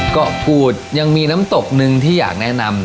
เกาะกูดยังมีน้ำตกหนึ่งที่อยากแนะนำ